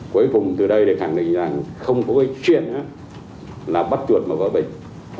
cuối cùng từ đây để khẳng định rằng không có cái chuyện là bắt chuột mà vỡ bình